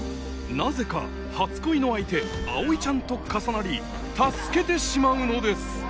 なぜか初恋の相手葵ちゃんと重なり助けてしまうのです